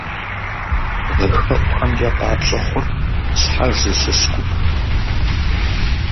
Бгъэхэӏухэмкӏэ къапщӏэ хъурт щхьэж зыщыщ гупыр.